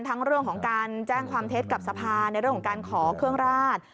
ทั้งเรื่องของการแจ้งความเท็จกับสภาในเรื่องของการขอเครื่องราช